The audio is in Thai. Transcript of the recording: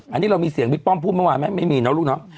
อันนี้เรามีเสียงบิ๊กป้อมพูดเมื่อวานไหมไม่มีเนอะลูกเนาะ